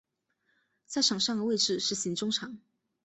在场上的位置是型中场。